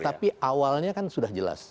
tapi awalnya kan sudah jelas